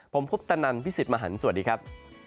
ผมพุพธนันทร์พี่สิทธิ์มหันทร์สวัสดีครับ